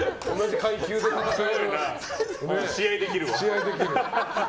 試合できるわ。